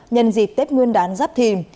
nhân dịp tết nguyên đán giáp thìm